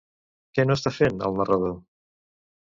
Què no està fent, el narrador?